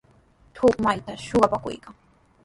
Huk matraytrawshi suqakuq pakakunaq.